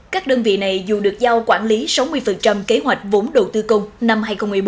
các đơn vị này dù được giao quản lý sáu mươi kế hoạch vốn đầu tư công năm hai nghìn một mươi bốn